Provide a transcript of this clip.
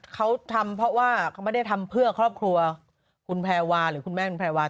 เขาทำเพราะว่าเขาไม่ได้ทำเพื่อครอบครัวคุณแพรวาหรือคุณแม่คุณแพรวา